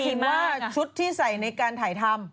หมายถึงว่าชุดที่ใส่ในการถ่ายทำ